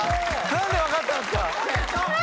何で分かったんすか？